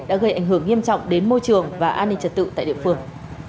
đã gây ảnh hưởng nghiêm trọng đến môi trường và an ninh trật tự tại địa phương